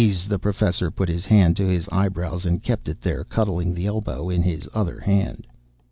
The Professor put his hand to his eyebrows and kept it there, cuddling the elbow in his other hand.